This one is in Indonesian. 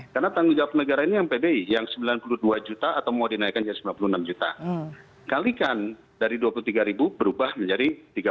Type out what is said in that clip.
karena tanggung jawab negara ini yang pbi yang sembilan puluh dua juta atau mau dinaikkan jadi sembilan puluh enam juta kalikan dari dua puluh tiga berubah menjadi tiga puluh